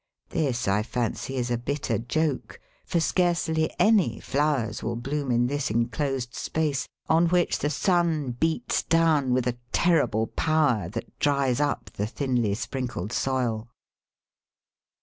This, I fancy, is a bitter joke, for scarcely any flowers will bloom in this enclosed space, on which the sun beats down with a terrible power that dries up the thinly sprinkled soil.